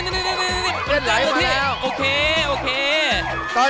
ตอนนี้สีส้มนะครับเส้นไหลออกมาแล้วนะครับ